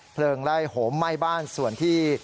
เพลิงไล่โหมไหม้บ้านส่วนที่